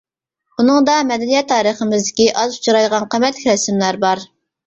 ئۇنىڭدا مەدەنىيەت تارىخىمىزدىكى ئاز ئۇچرايدىغان قىممەتلىك رەسىملەر بار.